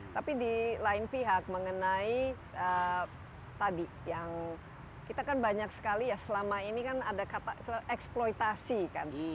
tapi di lain pihak mengenai tadi yang kita kan banyak sekali ya selama ini kan ada kata eksploitasi kan